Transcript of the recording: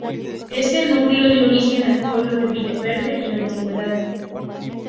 Este núcleo dio origen al pueblo de Villaverde en la antigüedad.